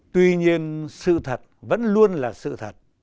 tuy nhiên sự thật vẫn luôn là sự thật